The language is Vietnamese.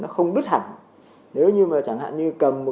xung quanh nạn nhân là nhiều vũ máu